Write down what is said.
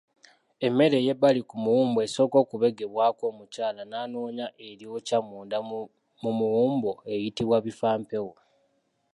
Emmere eyebbali ku muwumbo esooka okubegebwako omukyala n'anoonya eryokya munda mu muwumbo eyitibwa Bifampewo.